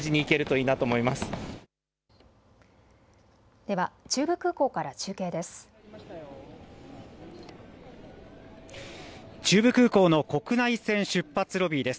では中部空港から中継です。